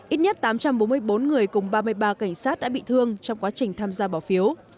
ít nhất tám trăm bốn mươi bốn người cùng ba mươi ba cảnh sát đã bị thương trong quá trình tham gia bỏ phiếu